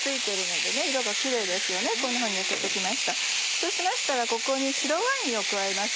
そうしましたらここに白ワインを加えます。